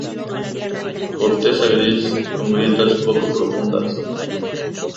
Corteza gris, con grietas poco profundas.